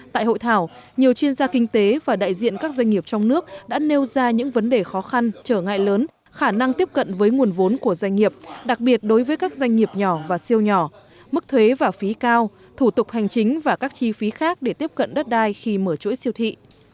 tại hội thảo nhiều chuyên gia kinh tế và đại diện các doanh nghiệp trong nước đã nêu ra những vấn đề khó khăn trở ngại lớn khả năng tiếp cận với nguồn vốn của doanh nghiệp đặc biệt đối với các doanh nghiệp nhỏ và siêu nhỏ mức thuế và phí cao thủ tục hành chính và các chi phí khác để tiếp cận đất đai khi mở chuỗi siêu thị